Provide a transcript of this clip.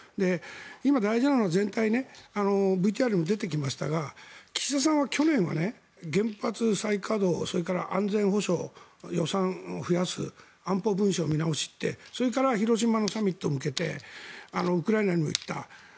今、大事なのは全体でＶＴＲにも出てきましたが岸田さんは去年は原発再稼働それから安全保障、予算を増やす安保文書見直しってそれから広島のサミットに向けてウクライナにも行った。